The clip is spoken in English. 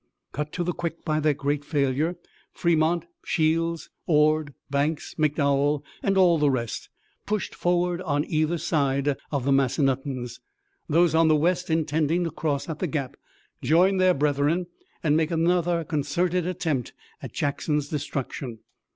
Cut to the quick by their great failure, Fremont, Shields, Ord, Banks, McDowell and all the rest, pushed forward on either side of the Massanuttons, those on the west intending to cross at the gap, join their brethren, and make another concerted attempt at Jackson's destruction.